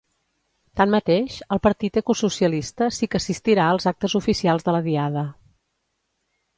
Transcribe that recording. Tanmateix, el partit ecosocialista sí que assistirà als actes oficials de la Diada.